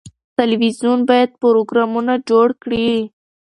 تلویزیون باید پروګرامونه جوړ کړي.